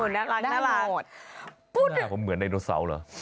น่ารักก็เหมือนไดโนเสาร์เหรอ